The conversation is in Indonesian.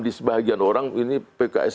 di sebagian orang ini pks